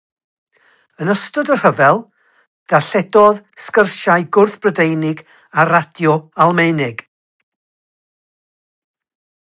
Yn ystod y rhyfel, darlledodd sgyrsiau gwrth-Brydeinig ar radio Almaeneg.